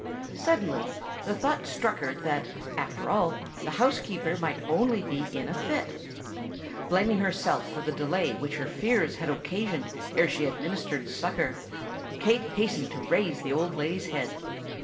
Suddenly the thought struck her that, after all, the housekeeper might only be in a fit. Blaming herself for the delay which her fears had occasioned ere she administered succour, Kate hastened to raise the old lady's head.